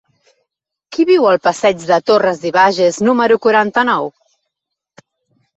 Qui viu al passeig de Torras i Bages número quaranta-nou?